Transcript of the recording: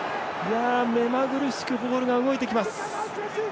目まぐるしくボールが動いていきます。